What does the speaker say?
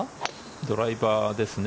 ドライバーですね。